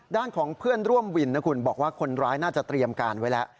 ด้านของเพื่อนร่วมวินนะคุณบอกว่าคนร้ายน่าจะเตรียมการไว้แล้ว